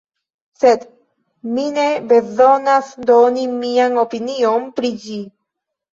Sed mi ne bezonas doni mian opinion pri ĝi.